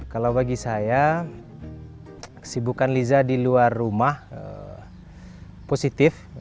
kalau bagi saya kesibukan liza di luar rumah positif